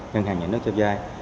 ngân hàng nhà nước cho dai